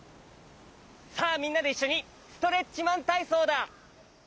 さあみんなでいっしょにストレッチマンたいそうだ！